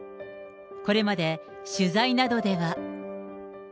これまで取材などでは。